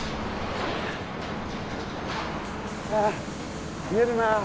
ああ冷えるなあ。